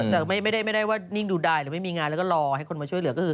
แต่ไม่ได้ว่านิ่งดูดายหรือไม่มีงานแล้วก็รอให้คนมาช่วยเหลือก็คือ